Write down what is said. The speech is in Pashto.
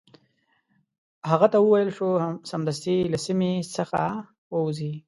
هغه ته وویل شو سمدستي له سیمي څخه ووزي.